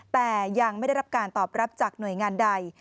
แต่ยังไม่ได้รับการตอบรับจากหน่วยงานใด